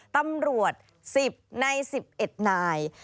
ตำรวจ๑๐ใน๑๑นาย